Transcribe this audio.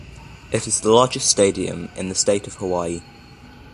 It is the largest stadium in the state of Hawaii.